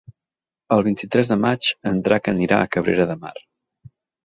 El vint-i-tres de maig en Drac anirà a Cabrera de Mar.